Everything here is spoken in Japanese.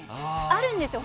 あるんですよ